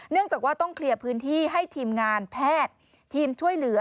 จากว่าต้องเคลียร์พื้นที่ให้ทีมงานแพทย์ทีมช่วยเหลือ